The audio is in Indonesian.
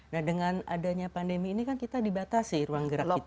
nah dengan adanya pandemi ini kan kita dibatasi ruang gerak kita